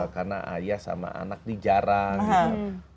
karena ayah sama anak di jarang gitu